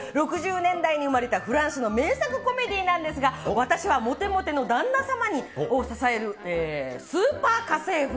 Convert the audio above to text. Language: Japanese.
６０年代に生まれたフランスの名作コメディーなんですが、私はモテモテの旦那様を支えるスーパー家政婦。